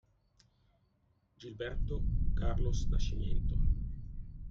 Gilberto Carlos Nascimento